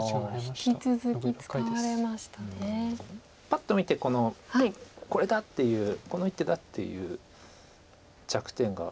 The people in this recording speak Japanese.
パッと見てこの「これだ！」っていう「この一手だ」っていう着点が。